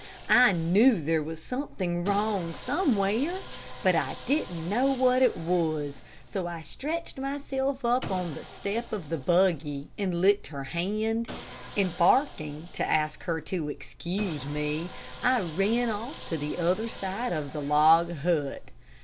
I knew there was something wrong somewhere, but I didn't know what it was; so I stretched myself up on the step of the buggy, and licked her hand, and barking, to ask her to excuse me, I ran off to the other side of the log hut.